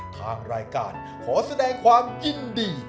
ทางรายการขอแสดงความยินดี